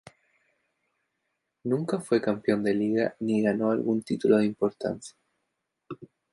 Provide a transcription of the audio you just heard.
Nunca fue campeón de liga ni ganó algún título de importancia.